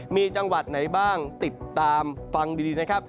มีจังหวัดไหนบ้างติดตามฟังดีนะครับ